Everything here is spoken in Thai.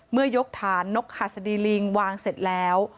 เมื่อยกฐานนกหัสดีลิงวางเสร็จแล้ว